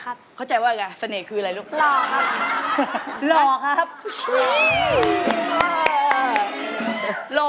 แอหวานเราเกิด